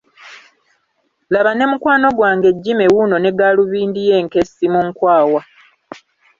Laba ne mukwano gwange Jimmy wuuno ne gaalubindi ye enkessi mu nkwawa.